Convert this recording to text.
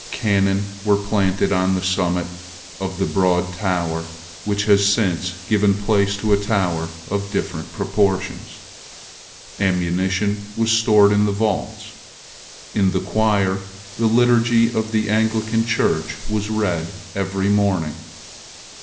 Cannon were planted on the summit of the broad tower which has since given place to a tower of different proportions. Ammunition was stored in the vaults. In the choir the liturgy of the Anglican Church was read every morning.